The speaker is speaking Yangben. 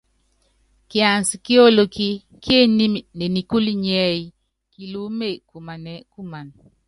Kiansi ki olokí kíényími ne nikúlu nḭ́ɛ́yí, Kiluúme kumanɛɛ́ kuman.